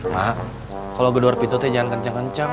mak kalo gedor pintu teh jangan kenceng kenceng